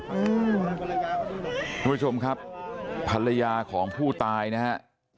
คุณผู้ชมครับภรรยาของผู้ตายนะฮะ